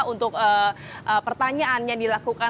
untuk pertanyaannya dilakukan